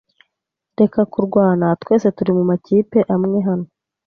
Reka kurwana. Twese turi mumakipe amwe hano.